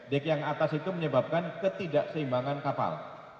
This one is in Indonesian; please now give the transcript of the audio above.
dek yang atas itu menyebabkan ketidakseimbangan kapal